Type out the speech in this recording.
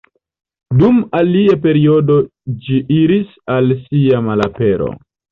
Dum alia periodo ĝi iris al sia malapero.